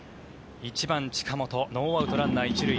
１番、近本ノーアウト、ランナー１塁。